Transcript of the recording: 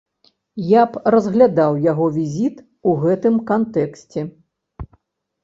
Я б разглядаў яго візіт у гэтым кантэксце.